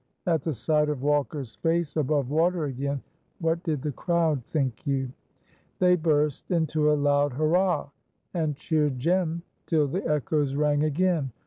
At the sight of Walker's face above water again, what did the crowd, think you? They burst into a loud hurrah! and cheered Jem till the echoes rang again.